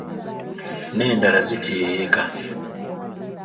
N’endala zitiiriika.